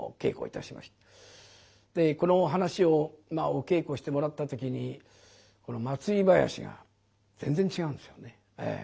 この噺をお稽古してもらった時に祭り囃子が全然違うんですよね。